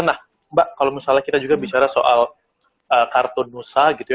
nah mbak kalau misalnya kita juga bicara soal kartu nusa gitu ya